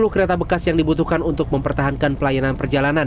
sepuluh kereta bekas yang dibutuhkan untuk mempertahankan pelayanan perjalanan